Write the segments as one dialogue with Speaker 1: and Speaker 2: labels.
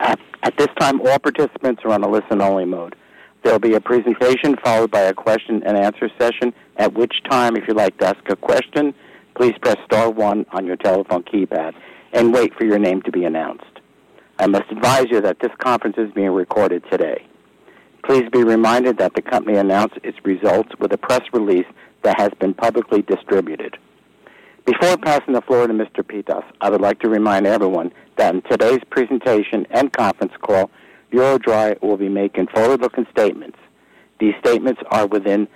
Speaker 1: At this time, all participants are on a listen-only mode. There will be a presentation followed by a question-and-answer session, at which time, if you'd like to ask a question, please press star one on your telephone keypad and wait for your name to be announced. I must advise you that this conference is being recorded today. Please be reminded that the company announces its results with a press release that has been publicly distributed. Before passing the floor to Mr. Pittas, I would like to remind everyone that in today's presentation and conference call, EuroDry will be making forward-looking statements. These statements are within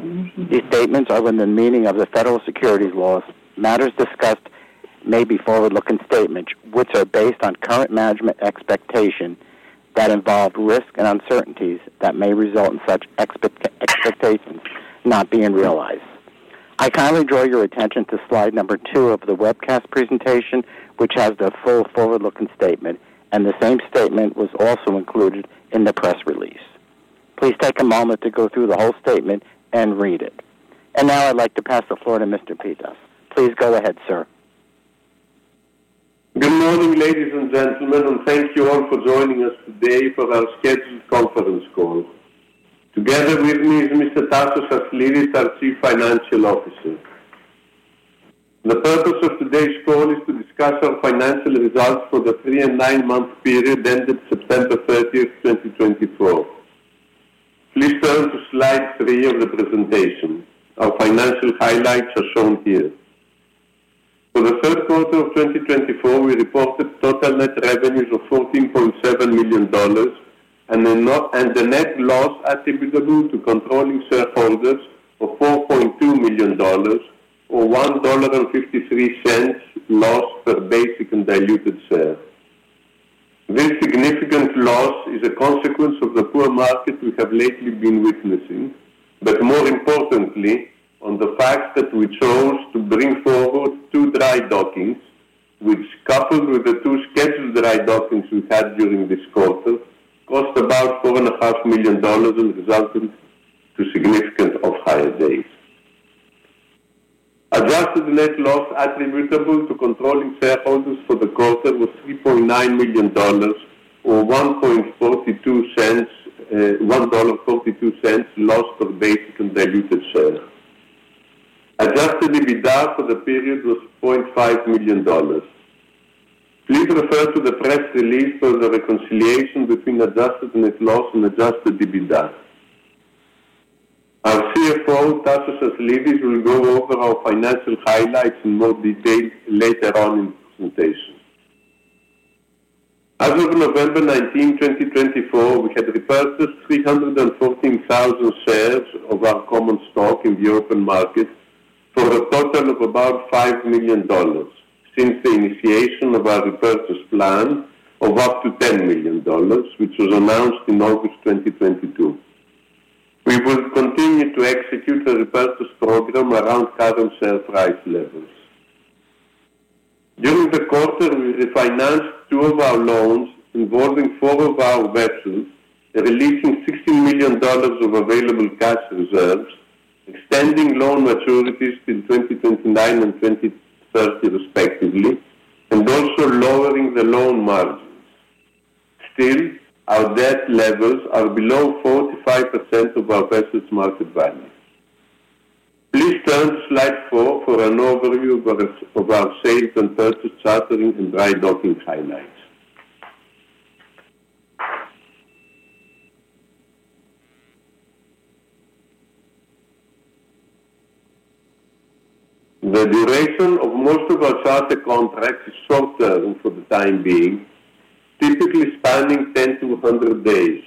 Speaker 1: the meaning of the federal securities laws. Matters discussed may be forward-looking statements, which are based on current management expectations that involve risks and uncertainties that may result in such expectations not being realized. I kindly draw your attention to slide number two of the webcast presentation, which has the full forward-looking statement, and the same statement was also included in the press release. Please take a moment to go through the whole statement and read it. And now I'd like to pass the floor to Mr. Pittas. Please go ahead, sir.
Speaker 2: Good morning, ladies and gentlemen, and thank you all for joining us today for our scheduled conference call. Together with me is Mr. Tasos Aslidis, our Chief Financial Officer. The purpose of today's call is to discuss our financial results for the three-and-nine-month period ended September 30th, 2024. Please turn to slide three of the presentation. Our financial highlights are shown here. For the third quarter of 2024, we reported total net revenues of $14.7 million and the net loss attributable to controlling shareholders of $4.2 million, or $1.53 loss per basic and diluted share. This significant loss is a consequence of the poor market we have lately been witnessing, but more importantly, on the fact that we chose to bring forward two dry dockings, which, coupled with the two scheduled dry dockings we had during this quarter, cost about $4.5 million and resulted in significantly higher days. Adjusted net loss attributable to controlling shareholders for the quarter was $3.9 million, or $1.42 lost per basic and diluted share. Adjusted EBITDA for the period was $0.5 million. Please refer to the press release for the reconciliation between adjusted net loss and adjusted EBITDA. Our CFO, Tasos Aslidis, will go over our financial highlights in more detail later on in the presentation. As of November 19, 2024, we had repurchased 314,000 shares of our common stock in the open market for a total of about $5 million since the initiation of our repurchase plan of up to $10 million, which was announced in August 2022. We will continue to execute a repurchase program around current share price levels. During the quarter, we refinanced two of our loans involving four of our vessels, releasing $16 million of available cash reserves, extending loan maturities to 2029 and 2030 respectively, and also lowering the loan margins. Still, our debt levels are below 45% of our vessel market value. Please turn to slide four for an overview of our sales and purchase chartering and dry docking highlights. The duration of most of our charter contracts is short-term for the time being, typically spanning 10-100 days,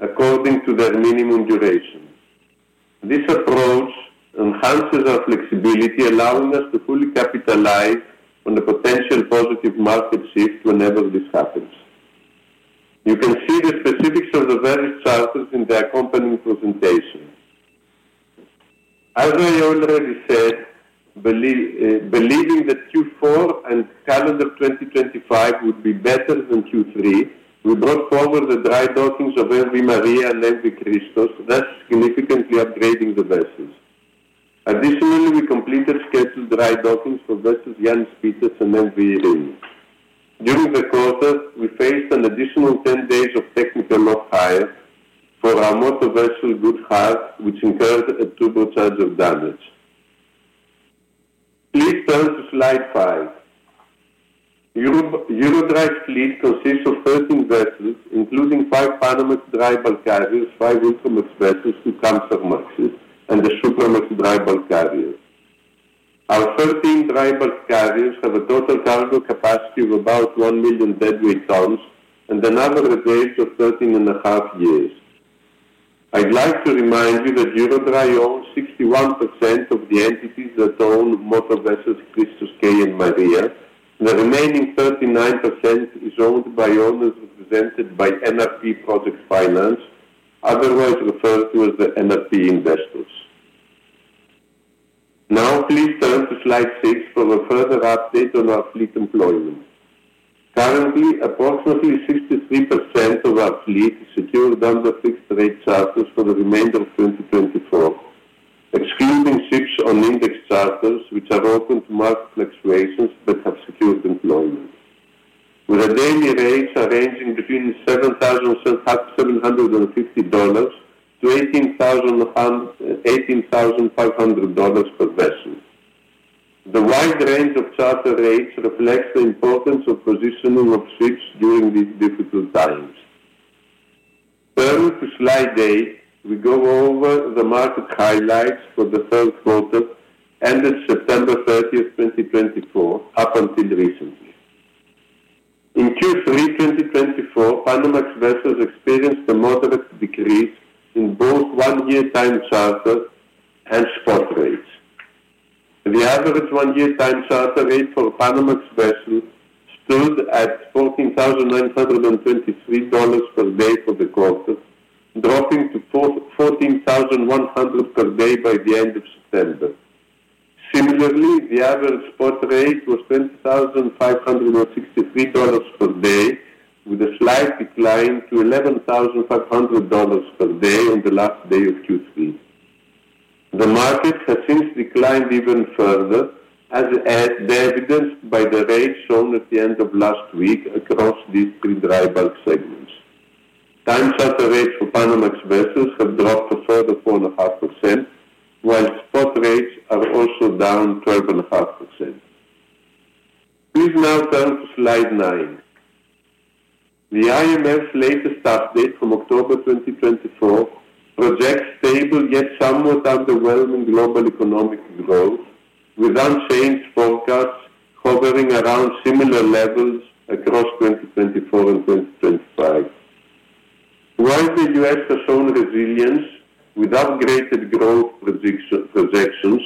Speaker 2: according to their minimum duration. This approach enhances our flexibility, allowing us to fully capitalize on the potential positive market shift whenever this happens. You can see the specifics of the various charters in the accompanying presentation. As I already said, believing that Q4 and calendar 2025 would be better than Q3, we brought forward the dry dockings of M/V Maria and M/V Christos K, thus significantly upgrading the vessels. Additionally, we completed scheduled dry dockings for vessels M/V Yiannis and M/V Eirini P. During the quarter, we faced an additional 10 days of technical off-hire for our motor vessel M/V Good Heart, which incurred turbocharger damage. Please turn to slide five. EuroDry's fleet consists of 13 vessels, including five Panamax dry bulk carriers, five Ultramax vessels, two Kamsarmax and a Supramax dry bulk carrier. Our 13 dry bulk carriers have a total cargo capacity of about 1 million deadweight tons and an average age of 13 and a half years. I'd like to remind you that EuroDry owns 61% of the entities that own motor vessels Christos K and Maria. The remaining 39% is owned by owners represented by NRP Project Finance, otherwise referred to as the NRP investors. Now, please turn to slide six for a further update on our fleet employment. Currently, approximately 63% of our fleet is secured under fixed-rate charters for the remainder of 2024, excluding ships on index charters, which are open to market fluctuations but have secured employment, with a daily rate ranging between $7,750-$18,500 per vessel. The wide range of charter rates reflects the importance of positioning of ships during these difficult times. Turning to slide eight, we go over the market highlights for the third quarter, ended September 30th, 2024, up until recently. In Q3 2024, Panamax vessels experienced a moderate decrease in both one-year time charters and spot rates. The average one-year time charter rate for Panamax vessels stood at $14,923 per day for the quarter, dropping to $14,100 per day by the end of September. Similarly, the average spot rate was $20,563 per day, with a slight decline to $11,500 per day on the last day of Q3. The market has since declined even further, as evidenced by the rate shown at the end of last week across these three dry bulk segments. Time charter rates for Panamax vessels have dropped a further 4.5%, while spot rates are also down 12.5%. Please now turn to slide nine. The IMF's latest update from October 2024 projects stable yet somewhat underwhelming global economic growth, with unchanged forecasts hovering around similar levels across 2024 and 2025. While the U.S. has shown resilience with upgraded growth projections,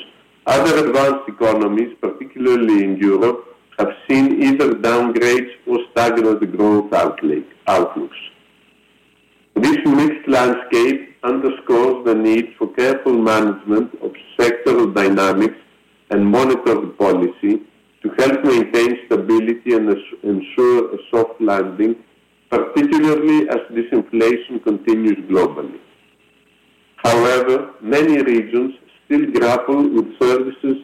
Speaker 2: other advanced economies, particularly in Europe, have seen either downgrades or stagnant growth outlooks. This mixed landscape underscores the need for careful management of sectoral dynamics and monitored policy to help maintain stability and ensure a soft landing, particularly as disinflation continues globally. However, many regions still grapple with services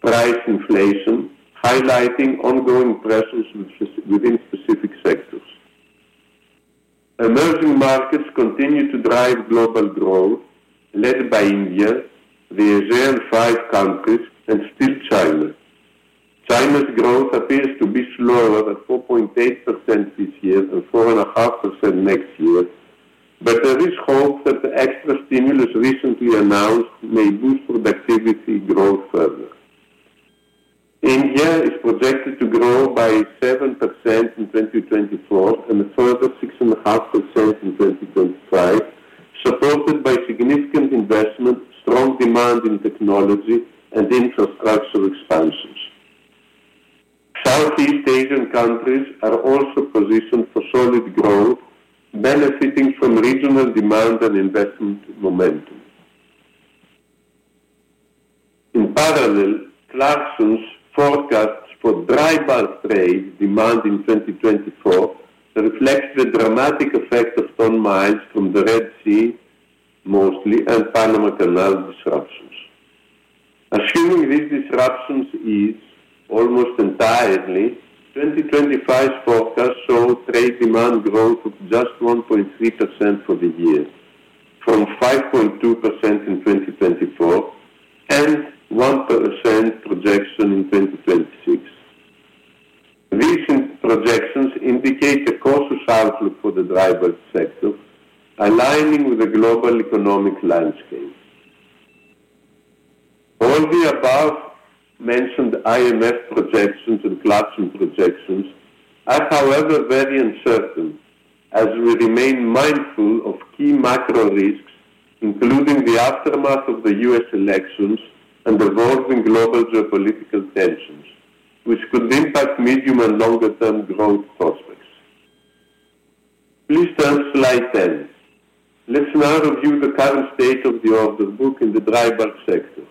Speaker 2: price inflation, highlighting ongoing pressures within specific sectors. Emerging markets continue to drive global growth, led by India, the ASEAN five countries, and still China. China's growth appears to be slower at 4.8% this year and 4.5% next year, but there is hope that the extra stimulus recently announced may boost productivity growth further. India is projected to grow by 7% in 2024 and a further 6.5% in 2025, supported by significant investment, strong demand in technology, and infrastructure expansions. Southeast Asian countries are also positioned for solid growth, benefiting from regional demand and investment momentum. In parallel, Clarksons's forecasts for dry bulk trade demand in 2024 reflect the dramatic effect of ton-miles from the Red Sea, mostly, and Panama Canal disruptions. Assuming these disruptions ease almost entirely, 2025's forecasts show trade demand growth of just 1.3% for the year, from 5.2% in 2024 and 1% projection in 2026. These projections indicate a cautious outlook for the dry bulk sector, aligning with the global economic landscape. All the above-mentioned IMF projections and Clarksons projections are, however, very uncertain as we remain mindful of key macro risks, including the aftermath of the U.S. elections and evolving global geopolitical tensions, which could impact medium and longer-term growth prospects. Please turn to slide 10. Let's now review the current state of the order book in the dry bulk sector.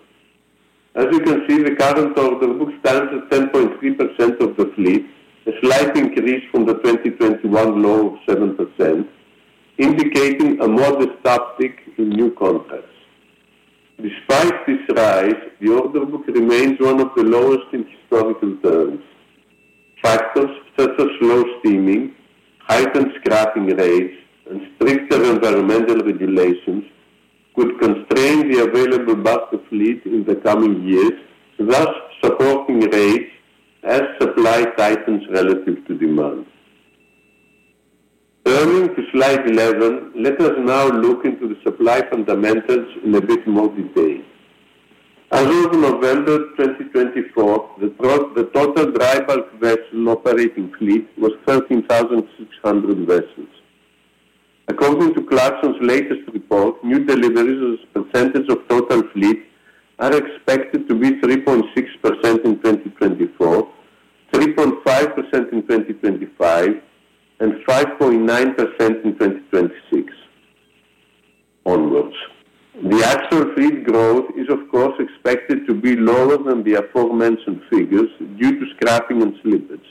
Speaker 2: As you can see, the current order book stands at 10.3% of the fleet, a slight increase from the 2021 low of 7%, indicating a modest uptick in new contracts. Despite this rise, the order book remains one of the lowest in historical terms. Factors such as slow steaming, heightened scrapping rates, and stricter environmental regulations could constrain the available bulk fleet in the coming years, thus supporting rates as supply tightens relative to demand. Turning to slide eleven, let us now look into the supply fundamentals in a bit more detail. As of November 2024, the total dry bulk vessel operating fleet was 13,600 vessels. According to Clarksons latest report, new deliveries as a percentage of total fleet are expected to be 3.6% in 2024, 3.5% in 2025, and 5.9% in 2026 onwards. The actual fleet growth is, of course, expected to be lower than the aforementioned figures due to scrapping and slippage.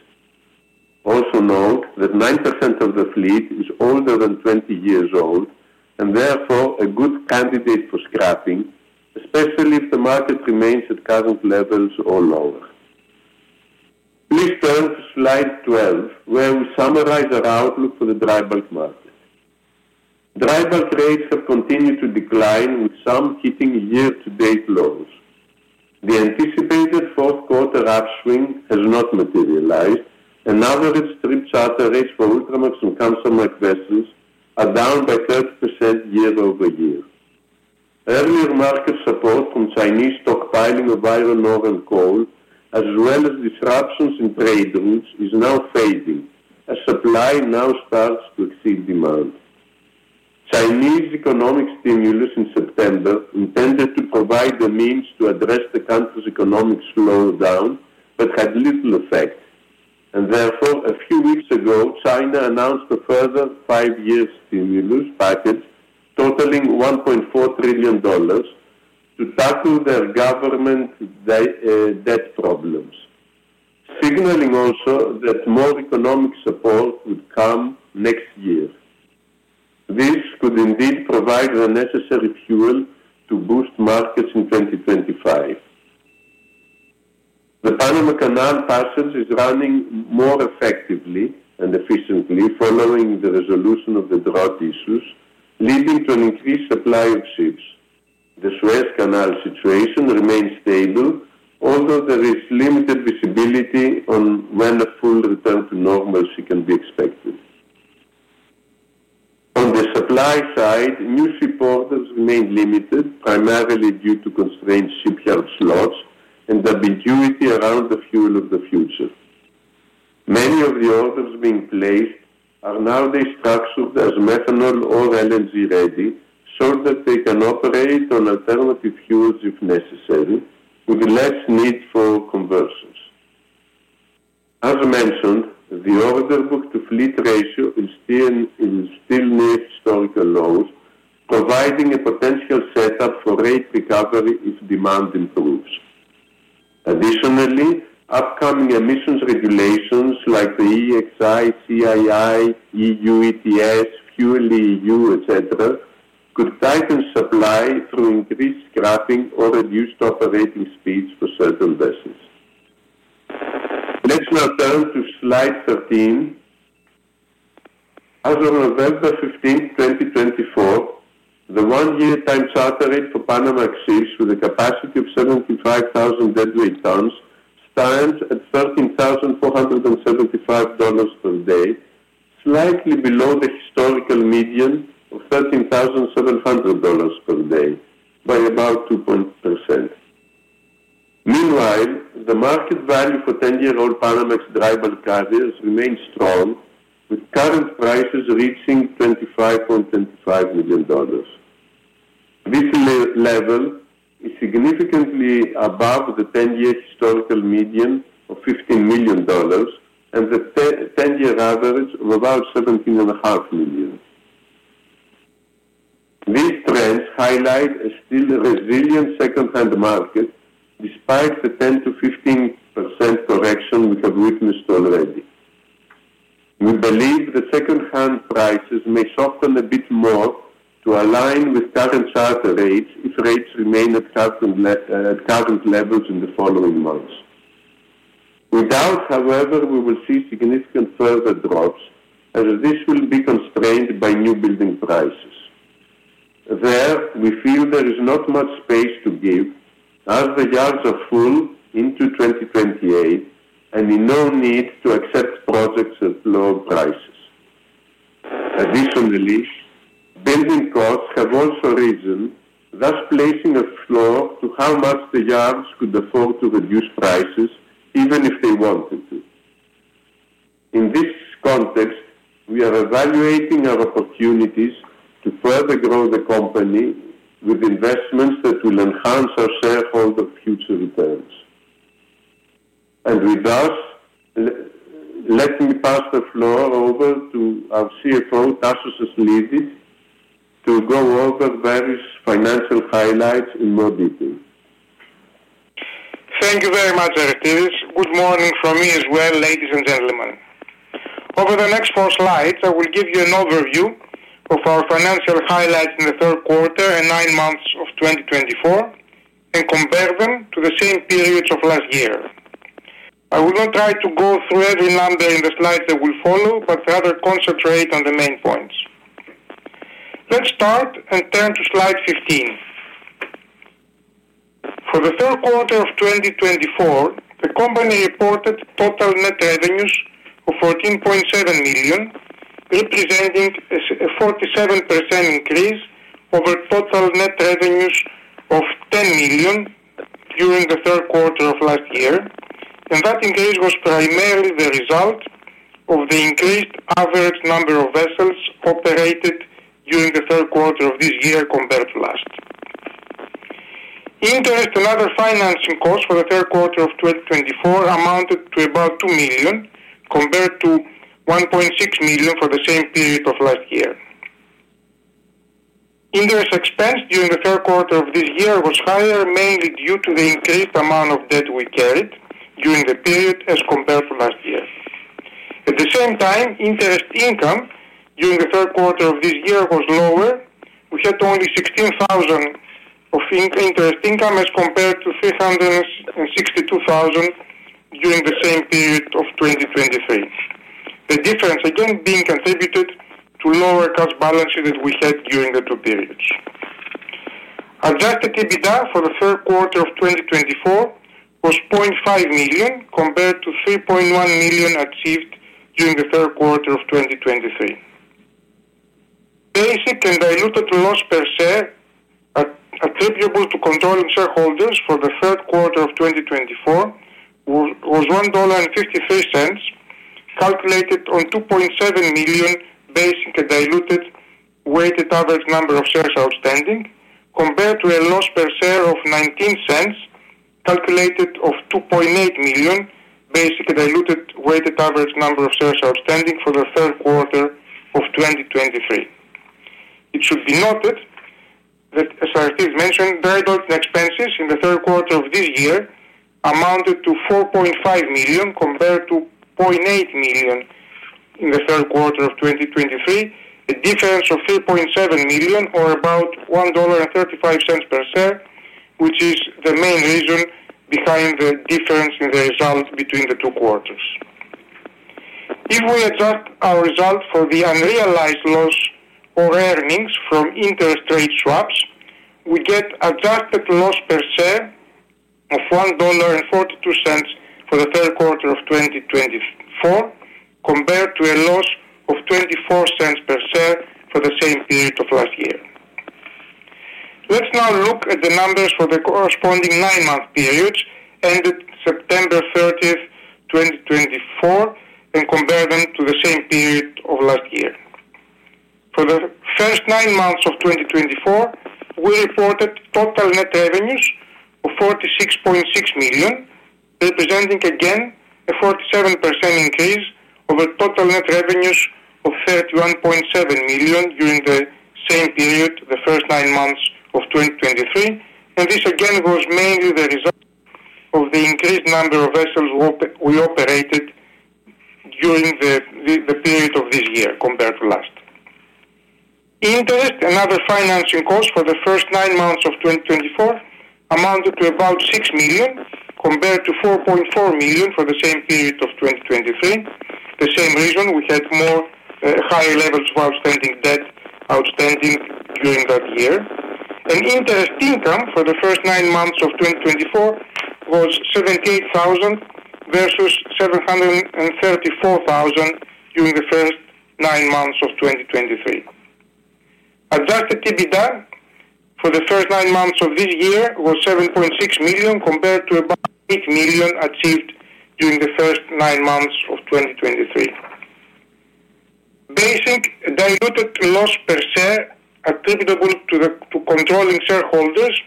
Speaker 2: Also note that 9% of the fleet is older than 20 years old and therefore a good candidate for scrapping, especially if the market remains at current levels or lower. Please turn to slide 12, where we summarize our outlook for the dry bulk market. Dry bulk rates have continued to decline, with some hitting year-to-date lows. The anticipated fourth quarter upswing has not materialized, and average trip charter rates for Ultramax and Kamsarmax vessels are down by 30% year over year. Earlier market support from Chinese stockpiling of iron ore and coal, as well as disruptions in trade routes, is now fading as supply now starts to exceed demand. Chinese economic stimulus in September intended to provide the means to address the country's economic slowdown but had little effect, and therefore, a few weeks ago, China announced a further five-year stimulus package totaling $1.4 trillion to tackle their government debt problems, signaling also that more economic support would come next year. This could indeed provide the necessary fuel to boost markets in 2025. The Panama Canal passage is running more effectively and efficiently following the resolution of the drought issues, leading to an increased supply of ships. The Suez Canal situation remains stable, although there is limited visibility on when a full return to normalcy can be expected. On the supply side, new ship orders remain limited, primarily due to constrained shipyard slots and ambiguity around the fuel of the future. Many of the orders being placed are nowadays structured as methanol or LNG ready so that they can operate on alternative fuels if necessary, with less need for conversions. As mentioned, the order book-to-fleet ratio is still near historical lows, providing a potential setup for rate recovery if demand improves. Additionally, upcoming emissions regulations like the EEXI, CII, EU ETS, FuelEU, etc., could tighten supply through increased scrapping or reduced operating speeds for certain vessels. Let's now turn to slide thirteen. As of November 15th, 2024, the one-year time charter rate for Panamax ships, with a capacity of 75,000 deadweight tons, stands at $13,475 per day, slightly below the historical median of $13,700 per day by about 2.1%. Meanwhile, the market value for 10-year-old Panamax dry bulk carriers remains strong, with current prices reaching $25.25 million. This level is significantly above the 10-year historical median of $15 million and the 10-year average of about $17.5 million. These trends highlight a still resilient second-hand market despite the 10%-15% correction we have witnessed already. We believe the second-hand prices may soften a bit more to align with current charter rates if rates remain at current levels in the following months. Without, however, we will see significant further drops as this will be constrained by new building prices. There, we feel there is not much space to give as the yards are full into 2028 and in no need to accept projects at lower prices. Additionally, building costs have also risen, thus placing a floor to how much the yards could afford to reduce prices even if they wanted to. In this context, we are evaluating our opportunities to further grow the company with investments that will enhance our shareholder future returns. And with that, let me pass the floor over to our CFO, Tasos Aslidis, to go over various financial highlights in more detail.
Speaker 3: Thank you very much, Aristides. Good morning from me as well, ladies and gentlemen. Over the next four slides, I will give you an overview of our financial highlights in the third quarter and nine months of 2024 and compare them to the same periods of last year. I will not try to go through every number in the slides that will follow, but rather concentrate on the main points. Let's start and turn to slide fifteen. For the third quarter of 2024, the company reported total net revenues of $14.7 million, representing a 47% increase over total net revenues of $10 million during the third quarter of last year, and that increase was primarily the result of the increased average number of vessels operated during the third quarter of this year compared to last. Interest and other financing costs for the third quarter of 2024 amounted to about $2 million compared to $1.6 million for the same period of last year. Interest expense during the third quarter of this year was higher, mainly due to the increased amount of debt we carried during the period as compared to last year. At the same time, interest income during the third quarter of this year was lower. We had only $16,000 of interest income as compared to $362,000 during the same period of 2023, the difference again being attributed to lower cash balances that we had during the two periods. Adjusted EBITDA for the third quarter of 2024 was $0.5 million compared to $3.1 million achieved during the third quarter of 2023. Basic and diluted loss per share attributable to controlling shareholders for the third quarter of 2024 was $1.53, calculated on 2.7 million basic and diluted weighted average number of shares outstanding, compared to a loss per share of $0.19, calculated on 2.8 million basic and diluted weighted average number of shares outstanding for the third quarter of 2023. It should be noted that, as Aristides mentioned, dry docking expenses in the third quarter of this year amounted to $4.5 million compared to $0.8 million in the third quarter of 2023, a difference of $3.7 million, or about $1.35 per share, which is the main reason behind the difference in the result between the two quarters. If we adjust our result for the unrealized loss or earnings from interest rate swaps, we get adjusted loss per share of $1.42 for the third quarter of 2024 compared to a loss of $0.24 per share for the same period of last year. Let's now look at the numbers for the corresponding nine-month periods ended September 30th, 2024, and compare them to the same period of last year. For the first nine months of 2024, we reported total net revenues of $46.6 million, representing again a 47% increase over total net revenues of $31.7 million during the same period, the first nine months of 2023, and this again was mainly the result of the increased number of vessels we operated during the period of this year compared to last. Interest and other financing costs for the first nine months of 2024 amounted to about $6 million compared to $4.4 million for the same period of 2023, the same reason we had more higher levels of outstanding debt during that year, and interest income for the first nine months of 2024 was $78,000 versus $734,000 during the first nine months of 2023. Adjusted EBITDA for the first nine months of this year was $7.6 million compared to about $8 million achieved during the first nine months of 2023. Basic diluted loss per share attributable to controlling shareholders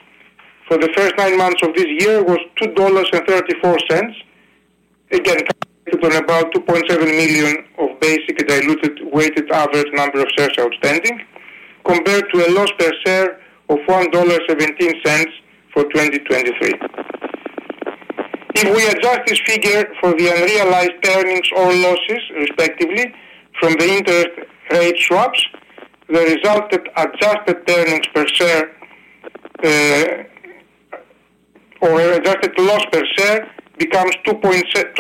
Speaker 3: for the first nine months of this year was $2.34, again calculated on about 2.7 million basic diluted weighted average number of shares outstanding, compared to a loss per share of $1.17 for 2023. If we adjust this figure for the unrealized earnings or losses, respectively, from the interest rate swaps, the resultant adjusted earnings per share or adjusted loss per share becomes $2.77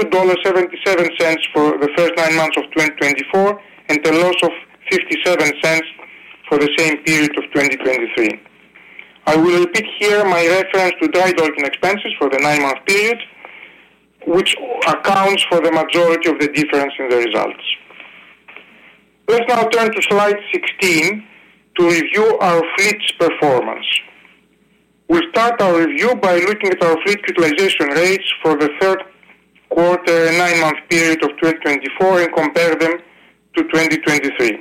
Speaker 3: for the first nine months of 2024 and a loss of $0.57 for the same period of 2023. I will repeat here my reference to drybulk expenses for the nine-month period, which accounts for the majority of the difference in the results. Let's now turn to slide 16 to review our fleet's performance. We'll start our review by looking at our fleet utilization rates for the third quarter and nine-month period of 2024 and compare them to 2023.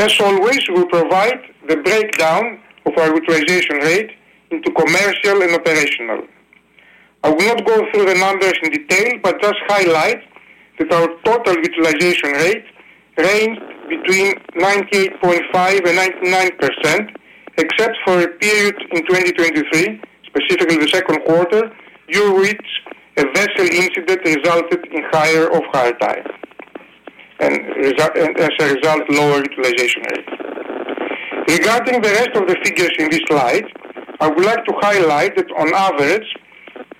Speaker 3: As always, we'll provide the breakdown of our utilization rate into commercial and operational. I will not go through the numbers in detail, but just highlight that our total utilization rate ranged between 98.5% and 99%, except for a period in 2023, specifically the second quarter, during which a vessel incident resulted in higher off-hire time and, as a result, lower utilization rate. Regarding the rest of the figures in this slide, I would like to highlight that, on average,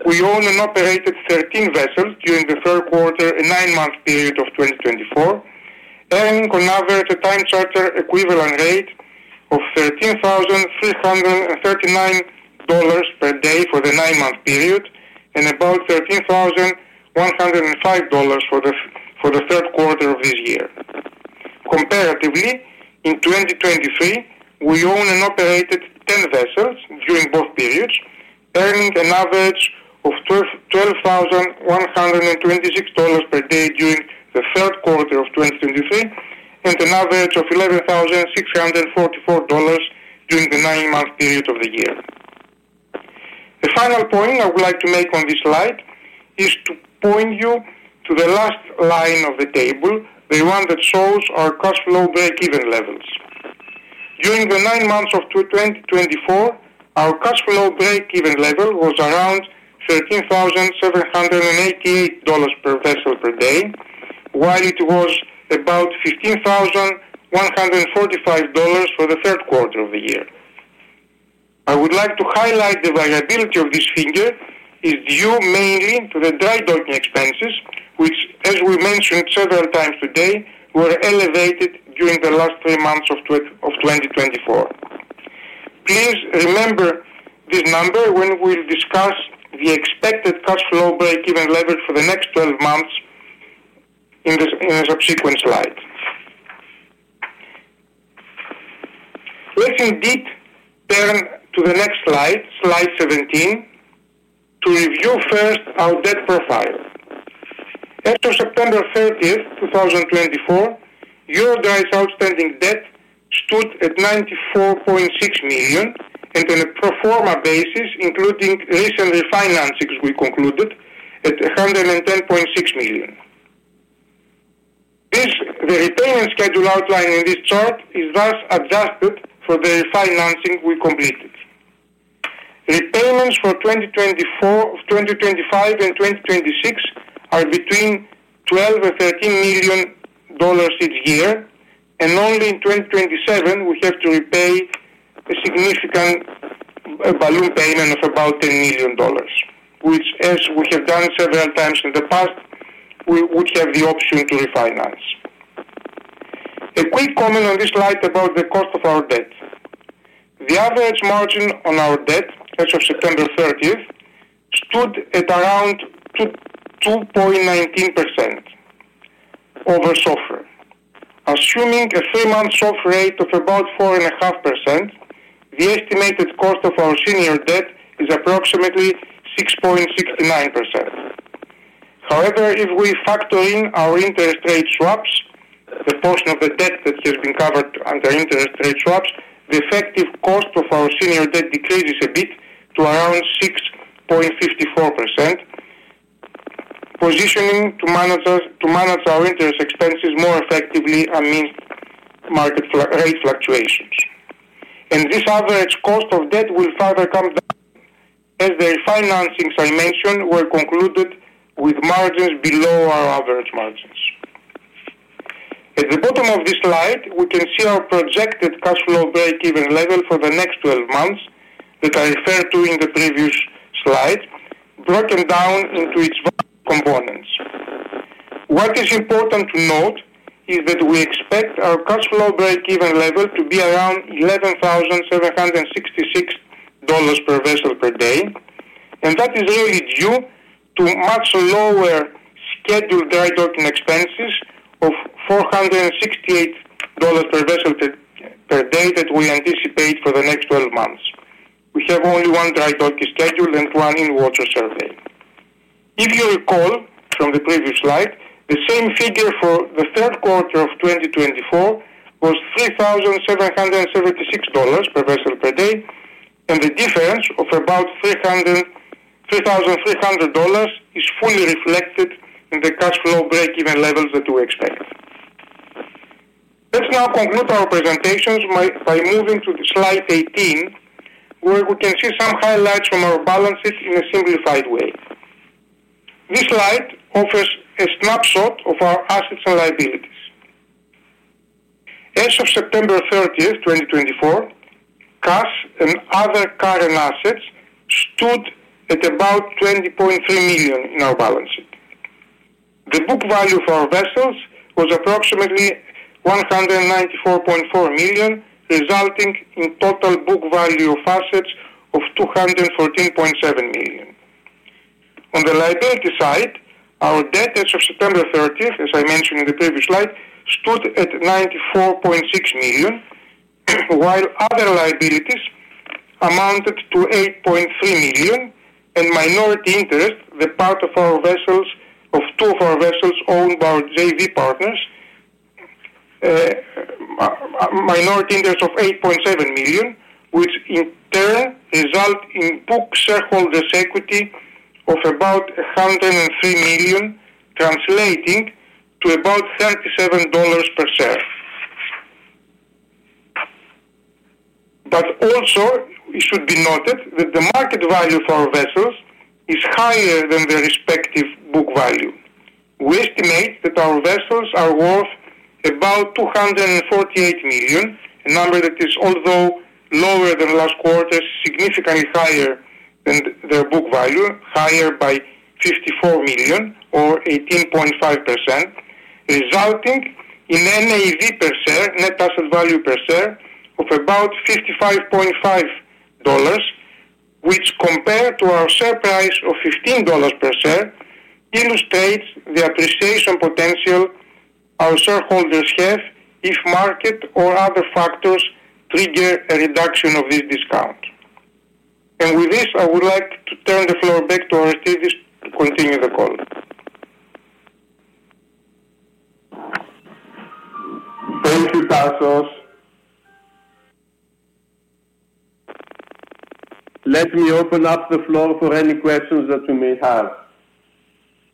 Speaker 3: we owned and operated 13 vessels during the third quarter and nine-month period of 2024, earning on average a time charter equivalent rate of $13,339 per day for the nine-month period and about $13,105 for the third quarter of this year. Comparatively, in 2023, we owned and operated 10 vessels during both periods, earning an average of $12,126 per day during the third quarter of 2023 and an average of $11,644 during the nine-month period of the year. The final point I would like to make on this slide is to point you to the last line of the table, the one that shows our cash flow break-even levels. During the nine months of 2024, our cash flow break-even level was around $13,788 per vessel per day, while it was about $15,145 for the third quarter of the year. I would like to highlight the variability of this figure is due mainly to the dry bulk expenses, which, as we mentioned several times today, were elevated during the last three months of 2024. Please remember this number when we'll discuss the expected cost flow break-even level for the next 12 months in a subsequent slide. Let's indeed turn to the next slide, slide seventeen, to review first our debt profile. After September 30th, 2024, EuroDry's outstanding debt stood at $94.6 million and, on a pro forma basis, including recent refinancings we concluded, at $110.6 million. The repayment schedule outlined in this chart is thus adjusted for the refinancing we completed. Repayments for 2025 and 2026 are between $12 and $13 million each year, and only in 2027 we have to repay a significant balloon payment of about $10 million, which, as we have done several times in the past, we would have the option to refinance. A quick comment on this slide about the cost of our debt. The average margin on our debt as of September 30th stood at around 2.19% over SOFR. Assuming a three-month SOFR rate of about 4.5%, the estimated cost of our senior debt is approximately 6.69%. However, if we factor in our interest rate swaps, the portion of the debt that has been covered under interest rate swaps, the effective cost of our senior debt decreases a bit to around 6.54%, positioning to manage our interest expenses more effectively amidst market rate fluctuations. And this average cost of debt will further come down as the refinancings I mentioned were concluded with margins below our average margins. At the bottom of this slide, we can see our projected cash flow break-even level for the next 12 months that I referred to in the previous slide, broken down into its components. What is important to note is that we expect our cash flow break-even level to be around $11,766 per vessel per day, and that is really due to much lower scheduled drydocking expenses of $468 per vessel per day that we anticipate for the next 12 months. We have only one drydocking schedule and one in-water survey. If you recall from the previous slide, the same figure for the third quarter of 2024 was $3,776 per vessel per day, and the difference of about $3,300 is fully reflected in the cash flow break-even levels that we expect. Let's now conclude our presentations by moving to slide 18, where we can see some highlights from our balance sheet in a simplified way. This slide offers a snapshot of our assets and liabilities. As of September 30th, 2024, cash and other current assets stood at about $20.3 million in our balance sheet. The book value for our vessels was approximately $194.4 million, resulting in total book value of assets of $214.7 million. On the liability side, our debt as of September 30th, as I mentioned in the previous slide, stood at $94.6 million, while other liabilities amounted to $8.3 million and minority interest, the part of our vessels of two of our vessels owned by our JV partners, minority interest of $8.7 million, which in turn resulted in book shareholder's equity of about $103 million, translating to about $37 per share. But also, it should be noted that the market value for our vessels is higher than their respective book value. We estimate that our vessels are worth about $248 million, a number that is, although lower than last quarter, significantly higher than their book value, higher by $54 million or 18.5%, resulting in NAV per share, net asset value per share, of about $55.5, which, compared to our share price of $15 per share, illustrates the appreciation potential our shareholders have if market or other factors trigger a reduction of this discount, and with this, I would like to turn the floor back to Aristides to continue the call.
Speaker 2: Thank you, Tasos. Let me open up the floor for any questions that you may have.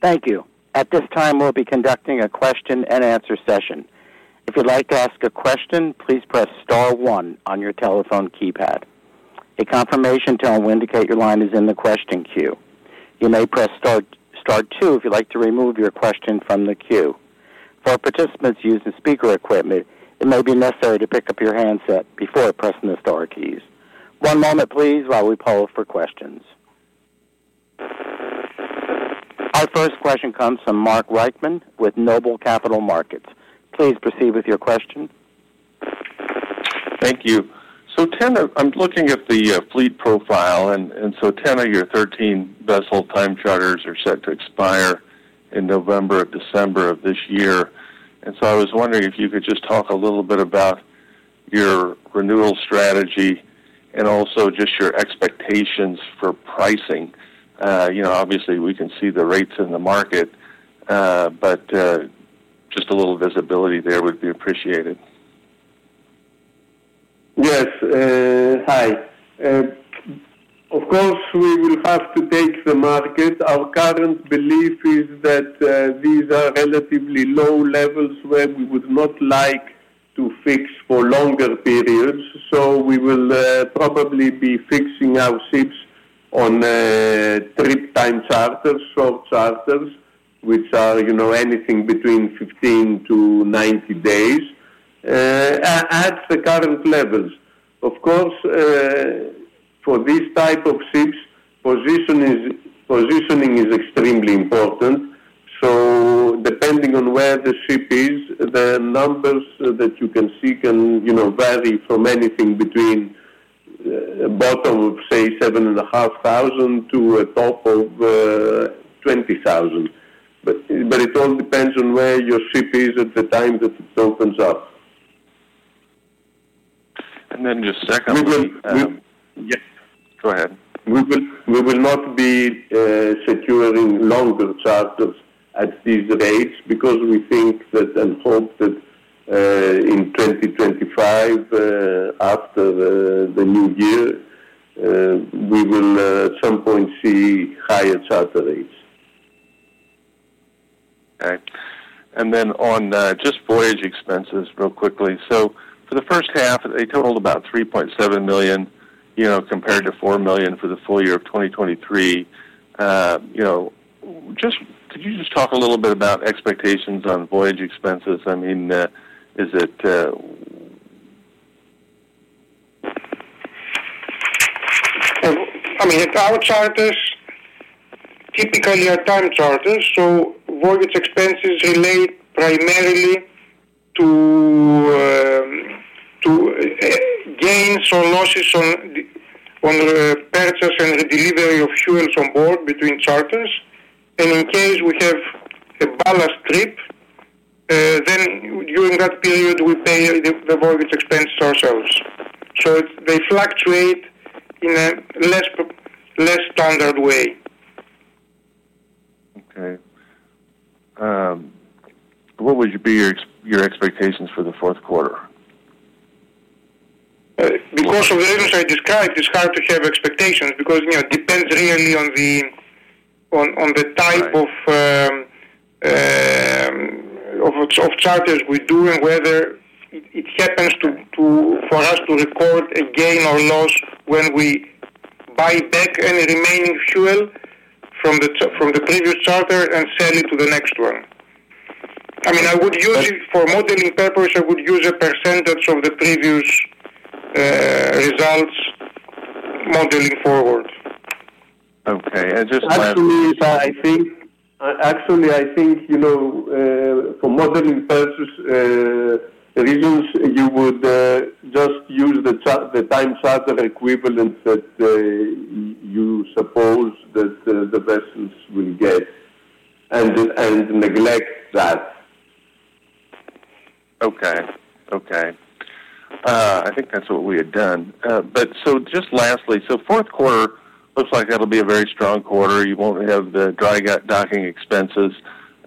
Speaker 1: Thank you. At this time, we'll be conducting a question-and-answer session. If you'd like to ask a question, please press star one on your telephone keypad. A confirmation tone will indicate your line is in the question queue. You may press star two if you'd like to remove your question from the queue. For participants using speaker equipment, it may be necessary to pick up your handset before pressing the Star keys. One moment, please, while we poll for questions. Our first question comes from Mark Reichman with Noble Capital Markets. Please proceed with your question.
Speaker 4: Thank you. So, Tasos, I'm looking at the fleet profile, and so, Tasos, your 13-vessel time charters are set to expire in November or December of this year. And so I was wondering if you could just talk a little bit about your renewal strategy and also just your expectations for pricing. Obviously, we can see the rates in the market, but just a little visibility there would be appreciated.
Speaker 2: Yes. Hi. Of course, we will have to take the market. Our current belief is that these are relatively low levels where we would not like to fix for longer periods, so we will probably be fixing our ships on trip-time charters, short charters, which are anything between 15 to 90 days at the current levels. Of course, for this type of ships, positioning is extremely important, so depending on where the ship is, the numbers that you can see can vary from anything between a bottom of, say, $7,500 to a top of $20,000, but it all depends on where your ship is at the time that it opens up,
Speaker 4: And then just a second. Yes. Go ahead.
Speaker 2: We will not be securing longer charters at these rates because we think that and hope that in 2025, after the new year, we will at some point see higher charter rates.
Speaker 4: Okay, and then on just voyage expenses, real quickly. So for the first half, they totaled about $3.7 million compared to $4 million for the full year of 2023. Could you just talk a little bit about expectations on voyage expenses? I mean, is it.
Speaker 3: I mean, our charters typically are time charters, so voyage expenses relate primarily to gains or losses on the purchase and delivery of fuels on board between charters. And in case we have a ballast trip, then during that period, we pay the voyage expenses ourselves. So they fluctuate in a less standard way.
Speaker 4: Okay. What would be your expectations for the fourth quarter?
Speaker 3: Because of the reasons I described, it's hard to have expectations because it depends really on the type of charters we do and whether it happens for us to record a gain or loss when we buy back any remaining fuel from the previous charter and sell it to the next one. I mean, for modeling purposes, I would use a percentage of the previous results modeling forward.
Speaker 4: Okay.
Speaker 2: And just one more thing. Actually, I think for modeling purposes, the reasons you would just use the time charter equivalent that you suppose that the vessels will get and neglect that.
Speaker 4: Okay. Okay. I think that's what we had done. But so just lastly, so fourth quarter looks like that'll be a very strong quarter. You won't have the dry docking expenses.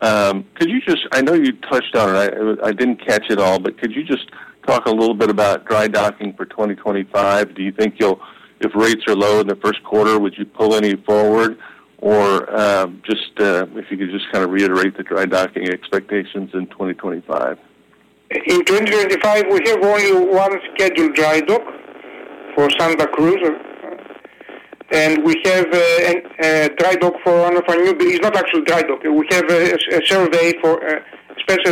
Speaker 4: Could you just, I know you touched on it. I didn't catch it all, but could you just talk a little bit about dry docking for 2025? Do you think if rates are low in the first quarter, would you pull any forward? Or just if you could just kind of reiterate the dry docking expectations in 2025.
Speaker 3: In 2025, we have only one scheduled dry dock for Santa Cruz, and we have a dry dock for one of our new—it's not actually dry dock. We have a special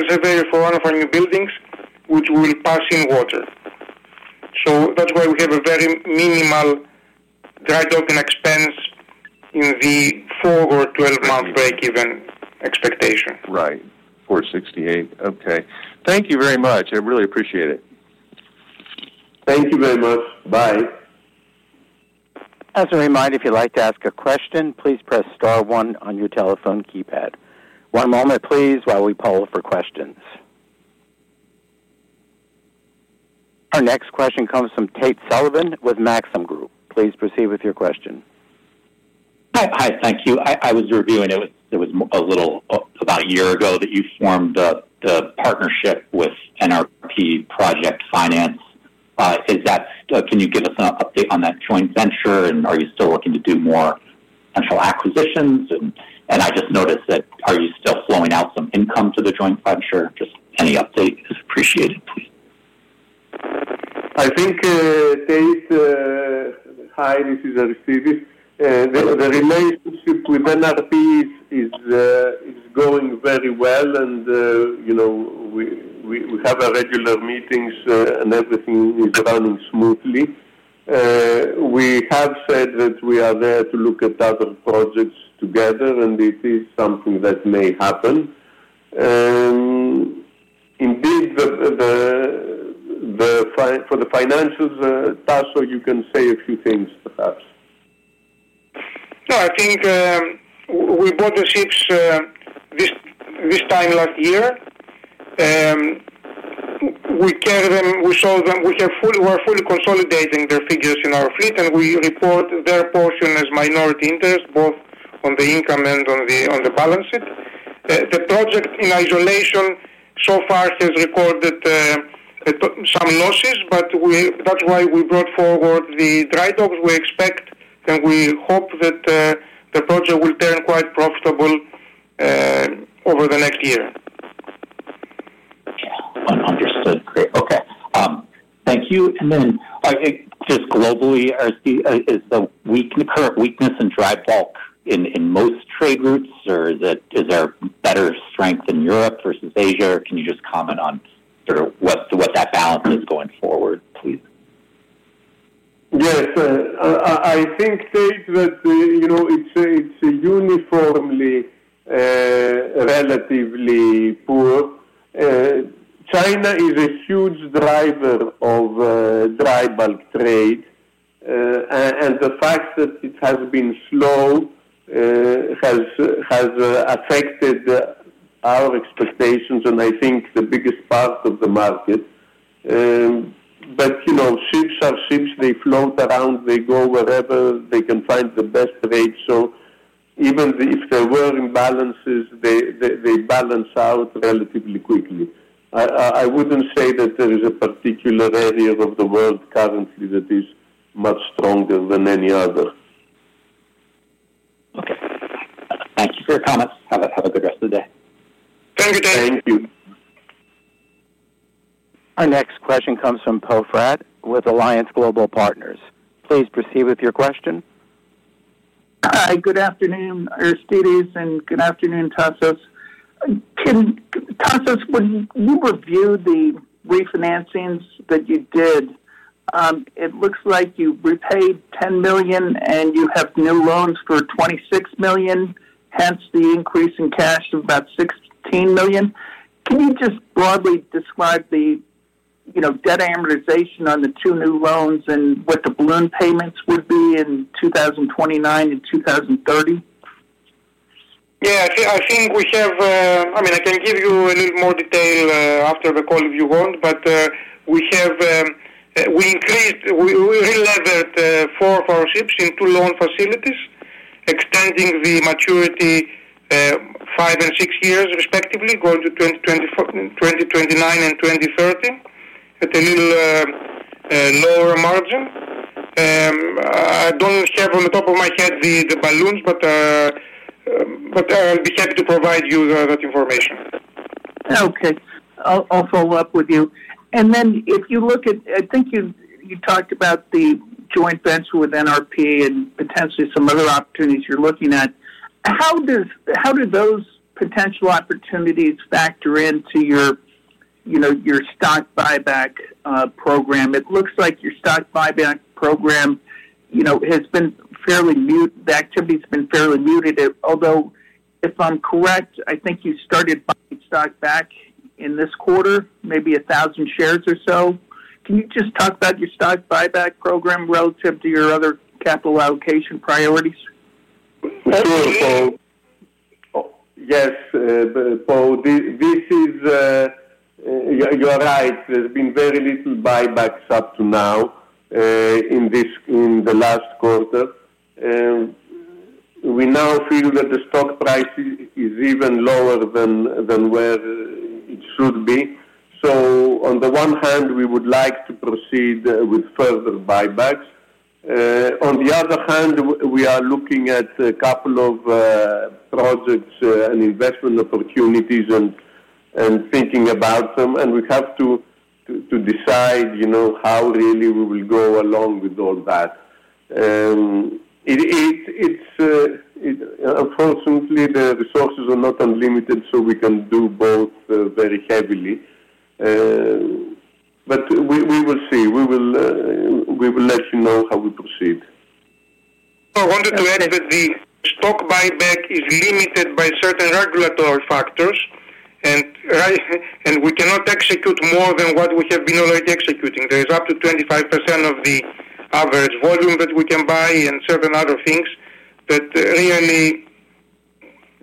Speaker 3: surveyor for one of our new buildings which will pass in water. So that's why we have a very minimal dry docking expense in the forward 12-month break-even expectation.
Speaker 4: Right. 468. Okay. Thank you very much. I really appreciate it.
Speaker 2: Thank you very much. Bye.
Speaker 1: As a reminder, if you'd like to ask a question, please press Star 1 on your telephone keypad. One moment, please, while we poll for questions. Our next question comes from Tate Sullivan with Maxim Group. Please proceed with your question.
Speaker 5: Hi. Thank you. I was reviewing it. It was a little about a year ago that you formed the partnership with NRP Project Finance. Can you give us an update on that joint venture, and are you still looking to do more potential acquisitions? And I just noticed that are you still flowing out some income to the joint venture? Just any update is appreciated.
Speaker 2: I think, Tate, hi, this is Aristides. The relationship with NRP is going very well, and we have regular meetings, and everything is running smoothly. We have said that we are there to look at other projects together, and it is something that may happen. Indeed, for the financials, Tasso, you can say a few things perhaps.
Speaker 3: I think we bought the ships this time last year. We sold them. We are fully consolidating their figures in our fleet, and we report their portion as minority interest, both on the income and on the balance sheet. The project in isolation so far has recorded some losses, but that's why we brought forward the dry dock. We expect and we hope that the project will turn quite profitable over the next year.
Speaker 5: Understood. Great. Okay. Thank you. Just globally, is the current weakness in dry bulk in most trade routes, or is there better strength in Europe versus Asia? Can you just comment on sort of what that balance is going forward, please?
Speaker 2: Yes. I think, Tate, that it's uniformly relatively poor. China is a huge driver of dry bulk trade, and the fact that it has been slow has affected our expectations, and I think the biggest part of the market. But ships are ships. They float around. They go wherever they can find the best rate. So even if there were imbalances, they balance out relatively quickly. I wouldn't say that there is a particular area of the world currently that is much stronger than any other.
Speaker 5: Okay. Thank you for your comments. Have a good rest of the day.
Speaker 3: Thank you, Tate.
Speaker 2: Thank you. Our next question comes from Poe Fratt with Alliance Global Partners. Please proceed with your question.
Speaker 6: Hi. Good afternoon, Aristides, and good afternoon, Tasos. Tasos, when you reviewed the refinancings that you did, it looks like you repaid $10 million, and you have new loans for $26 million, hence the increase in cash of about $16 million. Can you just broadly describe the debt amortization on the two new loans and what the balloon payments would be in 2029 and 2030?
Speaker 3: Yeah. I think we have. I mean, I can give you a little more detail after the call if you want, but we increased. We relevered four of our ships into loan facilities, extending the maturity five and six years, respectively, going to 2029 and 2030 at a little lower margin. I don't have off the top of my head the balloons, but I'll be happy to provide you that information.
Speaker 6: Okay. I'll follow up with you. And then if you look at. I think you talked about the joint venture with NRP and potentially some other opportunities you're looking at. How do those potential opportunities factor into your stock buyback program? It looks like your stock buyback program has been fairly. The activity has been fairly muted, although if I'm correct, I think you started buying stock back in this quarter, maybe 1,000 shares or so. Can you just talk about your stock buyback program relative to your other capital allocation priorities?
Speaker 2: Sure. Yes. This is. You're right. There's been very little buybacks up to now in the last quarter. We now feel that the stock price is even lower than where it should be. So on the one hand, we would like to proceed with further buybacks. On the other hand, we are looking at a couple of projects and investment opportunities and thinking about them, and we have to decide how really we will go along with all that. Unfortunately, the resources are not unlimited, so we can do both very heavily. But we will see. We will let you know how we proceed.
Speaker 3: I wanted to add that the stock buyback is limited by certain regulatory factors, and we cannot execute more than what we have been already executing. There is up to 25% of the average volume that we can buy and certain other things that really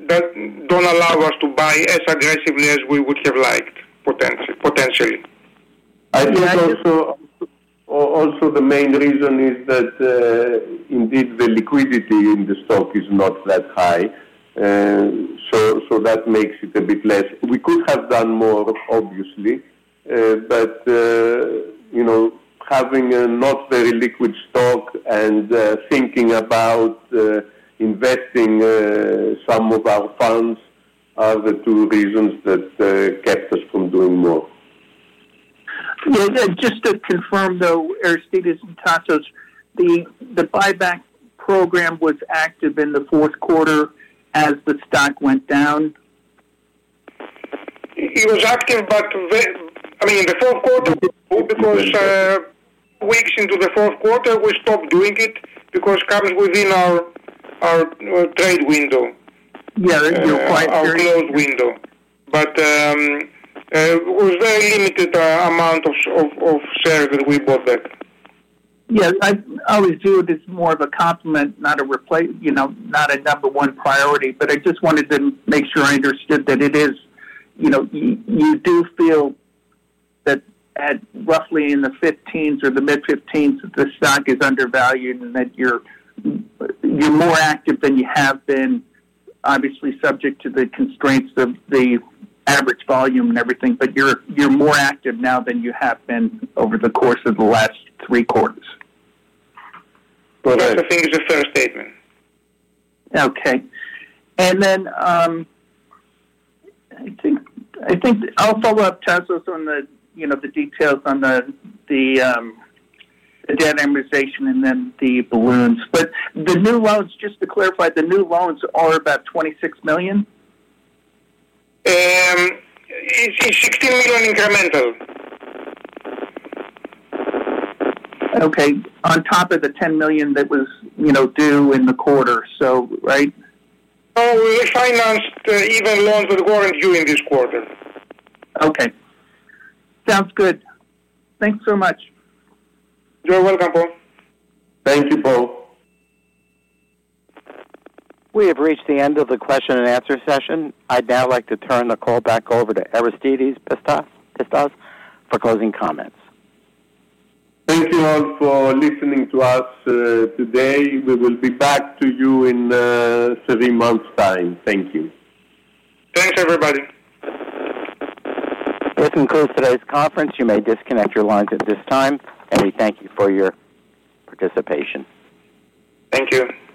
Speaker 3: don't allow us to buy as aggressively as we would have liked, potentially.
Speaker 2: I think also the main reason is that indeed the liquidity in the stock is not that high, so that makes it a bit less. We could have done more, obviously, but having a not very liquid stock and thinking about investing some of our funds are the two reasons that kept us from doing more.
Speaker 6: Just to confirm, though, Aristides and Tasos, the buyback program was active in the fourth quarter as the stock went down?
Speaker 3: It was active, but I mean, in the fourth quarter, because weeks into the fourth quarter, we stopped doing it because it comes within our trade window.
Speaker 6: Yeah. You're quite clear.
Speaker 3: Our closed window. But it was a very limited amount of shares that we bought back.
Speaker 6: Yes. I always view it as more of a complement, not a number one priority, but I just wanted to make sure I understood that it is you do feel that roughly in the 15s or the mid-15s that the stock is undervalued and that you're more active than you have been, obviously subject to the constraints of the average volume and everything, but you're more active now than you have been over the course of the last three quarters.
Speaker 3: That I thing is a fair statement.
Speaker 6: Okay. And then I think I'll follow up, Tasos, on the details on the debt amortization and then the balloons. But the new loans, just to clarify, the new loans are about $26 million?
Speaker 3: It's a $16 million incremental.
Speaker 6: Okay. On top of the $10 million that was due in the quarter, right?
Speaker 3: No. We refinanced even loans that weren't due in this quarter.
Speaker 6: Okay. Sounds good. Thanks so much.
Speaker 3: You're welcome, Poe.
Speaker 2: Thank you, Poe.
Speaker 1: We have reached the end of the question-and-answer session. I'd now like to turn the call back over to Aristides Pittas for closing comments.
Speaker 2: Thank you all for listening to us today. We will be back to you in three months' time. Thank you.
Speaker 3: Thanks, everybody.
Speaker 1: This concludes today's conference. You may disconnect your lines at this time, and we thank you for your participation.
Speaker 2: Thank you.